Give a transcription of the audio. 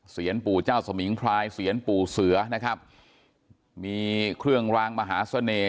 ปู่เจ้าสมิงพรายเสียนปู่เสือนะครับมีเครื่องรางมหาเสน่ห